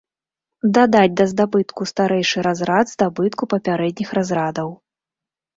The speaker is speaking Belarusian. Дадаць да здабытку старэйшы разрад здабытку папярэдніх разрадаў.